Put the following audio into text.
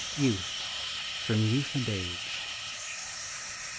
YOUTH. FROM " YOUTH AND AGE."